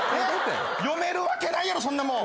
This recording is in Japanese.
読めるわけないやろそんなもん。